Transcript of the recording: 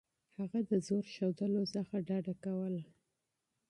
هغه د زور ښودلو څخه ډډه کوله.